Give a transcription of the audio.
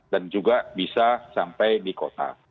dan juga bisa sampai di kota